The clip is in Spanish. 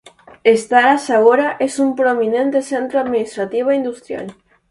Stara Zagora es un prominente centro administrativo e industrial.